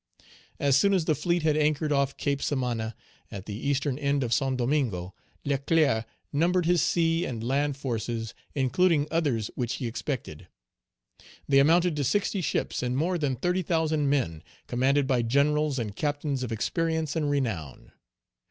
As soon as the fleet had anchored off Cape Samana, at the eastern end of Saint Domingo, Leclerc numbered his sea and land forces, including others which he expected. They amounted to sixty ships and more than thirty thousand men, commanded by generals and captains of experience and renown.